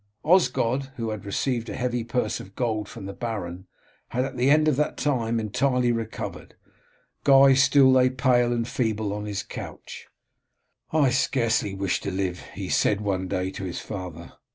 Osgod, who had received a heavy purse of gold from the baron, had at the end of that time entirely recovered; Guy still lay pale and feeble on his couch. "I scarcely wish to live," he said one day to his father.